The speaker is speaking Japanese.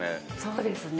そうですね。